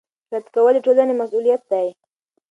رد کول د ټولنې مسوولیت دی